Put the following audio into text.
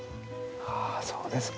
あそうですか。